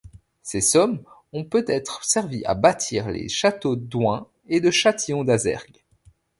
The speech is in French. Ces sommes ont peut-être servi à bâtir les châteaux d'Oingt et de Châtillon d'Azergues.